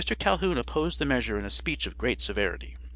Calhoun opposed the measure in a speech of great severity.